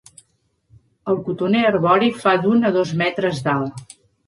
El cotoner arbori fa d'un a dos metres d'alt.